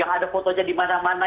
yang ada fotonya di mana mana